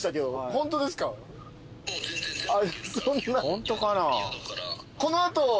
ホントかな？